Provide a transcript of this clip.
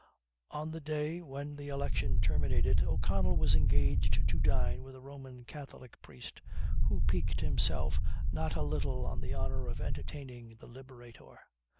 On the day when the election terminated, O'Connell was engaged to dine with a Roman Catholic priest, who piqued himself not a little on the honor of entertaining the Liberator.